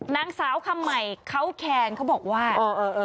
นางสาวคำใหม่เขาแคงเขาบอกว่าเออเออเออ